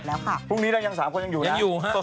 วันนี้เราไปกันก่อนสวัสดีนะ